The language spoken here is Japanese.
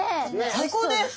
最高です。